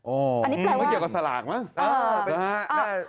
อันนี้แปลว่าเกี่ยวกับสลากมั้ง